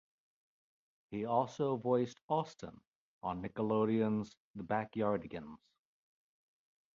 He also voiced Austin on Nickelodeon's "The Backyardigans".